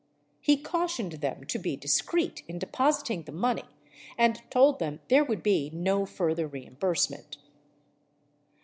He cautioned them to be discrete in depositing the money and told them there would be no further reim bursement.